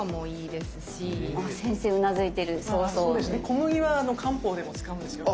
小麦は漢方でも使うんですよね。